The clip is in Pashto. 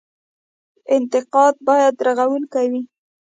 انتقاد باید رغونکی وي